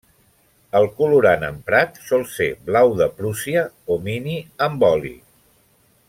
El colorant emprat sol ser Blau de Prússia o Mini amb oli.